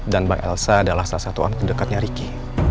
dan bang elsa adalah salah satuan kedekatnya riki